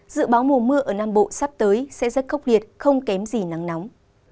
dự báo mùa mưa ở nam bộ sắp tới sẽ rất khốc liệt không kém gì nắng nóng